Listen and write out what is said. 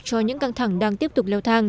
cho những căng thẳng đang tiếp tục leo thang